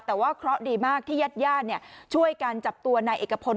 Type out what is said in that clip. แต่ว่าเคราะห์ดีมากที่ญาติญาติช่วยกันจับตัวนายเอกพล